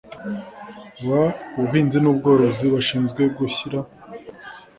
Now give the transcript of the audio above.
W ubuhinzi n ubworozi bashinzwe gushyira